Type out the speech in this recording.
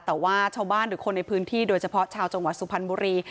แต่ว่าชาวบ้านหรือคนในพื้นที่โดยเฉพาะชาวจังหวัดสุพรรณบุรี